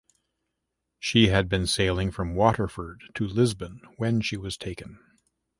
She had been sailing from Waterford to Lisbon when she was taken.